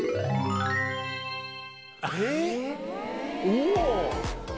お！